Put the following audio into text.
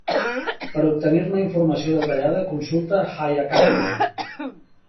Per obtenir-ne informació detallada, consulta Hayakaken.